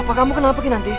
bapak kamu kenapa kinanti